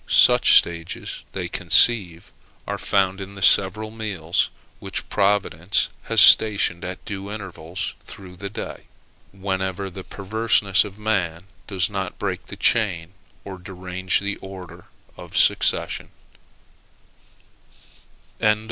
Such stages, they conceive, are found in the several meals which Providence has stationed at due intervals through the day, whenever the perverseness of man does not break the chain, or derange the order of succession.